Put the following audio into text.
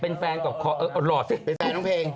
เป็นแฟนน้องเพลง